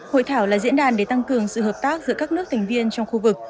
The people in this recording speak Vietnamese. hội thảo là diễn đàn để tăng cường sự hợp tác giữa các nước thành viên trong khu vực